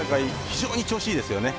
非常に調子いいですよね。